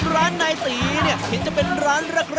ร้านนายตีเห็นจะเป็นร้านก